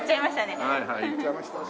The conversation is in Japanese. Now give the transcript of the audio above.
行っちゃいましたね。